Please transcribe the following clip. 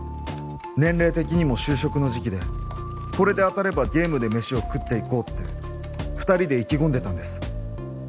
年齢的にも就職の時期でこれで当たればゲームでメシを食っていこうって二人で意気込んでたんです